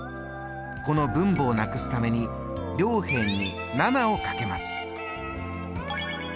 この分母をなくすために両辺に７をかけます。